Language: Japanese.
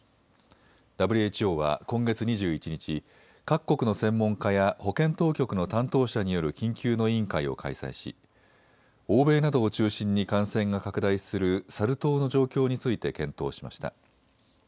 ＷＨＯは今月２１日、各国の専門家や保健当局の担当者による緊急の委員会を開催し欧米などを中心に感染が拡大するサル痘の状況について検討しました。